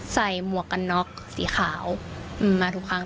ใส่หมวกกันเนาะสีขาวมาทุกครั้ง